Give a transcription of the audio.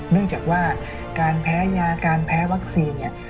เนื่องจากว่าการแพ้ยาการแพ้วัคซีนเนี่ย